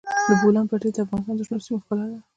د بولان پټي د افغانستان د شنو سیمو ښکلا ده.